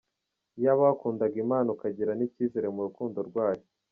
Iyaba wakundaga Imana ukagira n'icyizere mu rukundo rwayo.